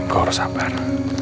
gue harus sabar